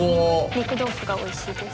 「肉豆腐がおいしいです」